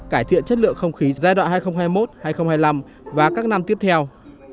cải thiện chất lượng không khí giai đoạn hai nghìn hai mươi một hai nghìn hai mươi năm và các năm tiếp theo